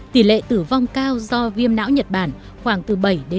tỷ lệ tử vong cao do viêm não nhật bản khoảng từ bảy tám